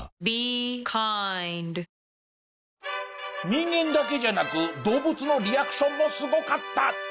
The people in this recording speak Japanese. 人間だけじゃなく動物のリアクションもすごかった。